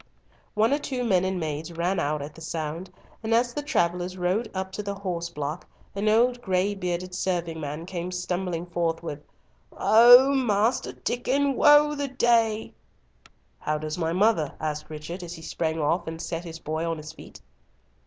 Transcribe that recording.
One or two men and maids ran out at the sound, and as the travellers rode up to the horse block, an old gray bearded serving man came stumbling forth with "Oh! Master Diccon, woe worth the day!" "How does my mother?" asked Richard, as he sprang off and set his boy on his feet.